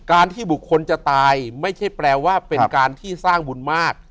ที่บุคคลจะตายไม่ใช่แปลว่าเป็นการที่สร้างบุญมาก